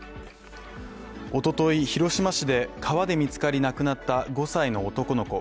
おととい、広島市で川で見つかり亡くなった５歳の男の子。